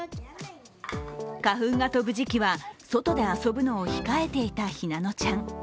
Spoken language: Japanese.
花粉が飛ぶ時期は外で遊ぶのを控えていた日南乃ちゃん。